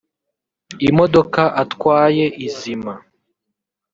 imodoka atwaye izima